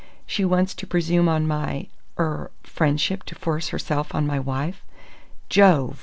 She wants to presume on my er friendship to force herself on my wife.... Jove!